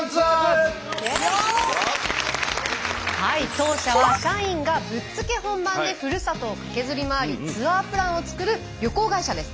当社は社員がぶっつけ本番でふるさとをカケズり回りツアープランを作る旅行会社です。